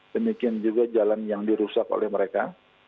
demikian juga jalan yang dirusak oleh mereka